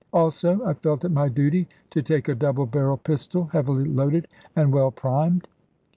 Also, I felt it my duty to take a double barrelled pistol, heavily loaded and well primed.